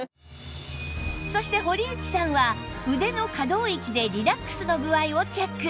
そして堀内さんは腕の可動域でリラックスの具合をチェック